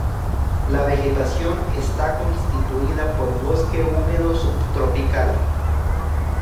La vegetación está constituida por bosque húmedo subtropical.